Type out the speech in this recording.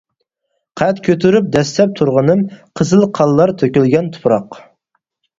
قەد كۆتۈرۈپ دەسسەپ تۇرغىنىم، قىزىل قانلار تۆكۈلگەن تۇپراق.